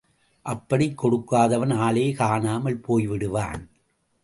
அப்படிக் கொடுக்காதவன் ஆளே காணாமல் போய்விடுவான்.